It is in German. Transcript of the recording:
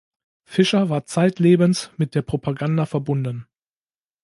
Fisher war zeitlebens mit der Propaganda verbunden.